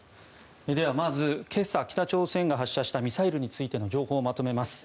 まず今朝北朝鮮が発射したミサイルのついての情報をまとめます。